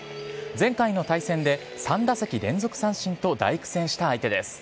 前回の対戦で３打席連続三振と大苦戦した相手です。